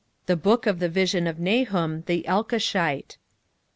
The book of the vision of Nahum the Elkoshite.